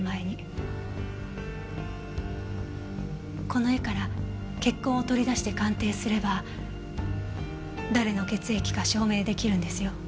この絵から血痕を取り出して鑑定すれば誰の血液か証明出来るんですよ。